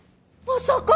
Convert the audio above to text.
まさか！